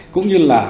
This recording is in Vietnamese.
cũng như là